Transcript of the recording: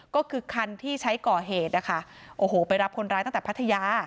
ก็คือคันที่ใช้ก่อเหตุนะคะโอ้โหไปรับคนร้ายตั้งแต่พัทยา